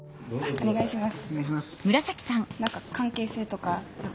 お願いします。